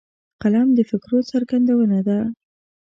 قلم د فکرو څرګندونه ده